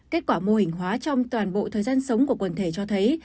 kết quả mô hình hóa trong toàn bộ thời gian sống của quần thể cho thấy